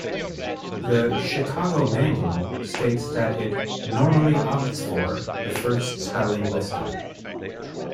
The "Chicago Manual" states that it "normally opts for" the first spelling listed.